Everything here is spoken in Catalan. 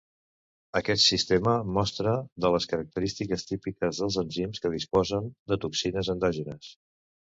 Aquest sistema mostra moltes de les característiques típiques dels enzims que disposen de toxines endògenes.